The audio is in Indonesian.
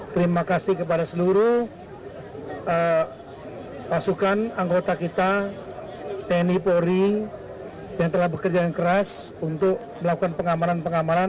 terima kasih kepada seluruh pasukan anggota kita tni polri yang telah bekerja yang keras untuk melakukan pengamanan pengamanan